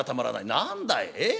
「何だいえっ